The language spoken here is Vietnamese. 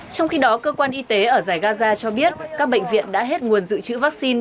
trong khi đó cơ quan y tế ở giải gaza cho biết các bệnh viện đã hết nguồn dự trữ vaccine